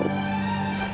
pokoknya ambius itu